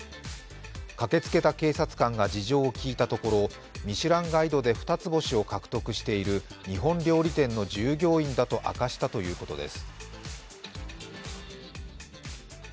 駆けつけた警察官が事情を聴いたところミシュランガイドで二つ星を獲得している日本料理店の従業員だと明かしたということです。